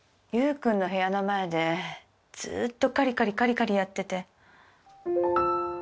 君の部屋の前でずっとカリカリカリカリやってて。